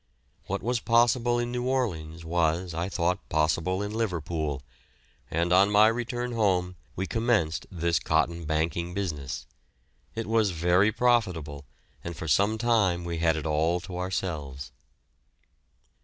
What was possible in New Orleans was, I thought, possible in Liverpool, and on my return home we commenced this cotton banking business. It was very profitable, and for some time we had it all to ourselves.